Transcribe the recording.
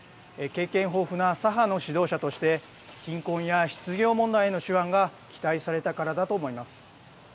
経験豊富な左派の指導者として貧困や失業問題の手腕が期待されたからだと思います。